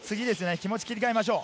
気持ちを切り替えましょう。